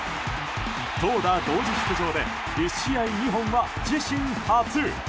投打同時出場で１試合２本は自身初。